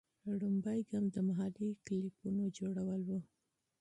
لومړنی ګام د محلي کلوپونو جوړول وو.